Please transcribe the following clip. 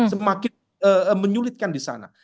semakin menyulitkan di sana